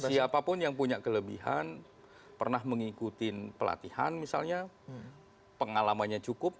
siapapun yang punya kelebihan pernah mengikuti pelatihan misalnya pengalamannya cukup